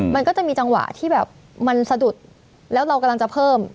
มันก็จะมีจังหวะที่แบบมันสะดุดแล้วเรากำลังจะเพิ่ม